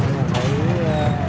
nhưng mà thấy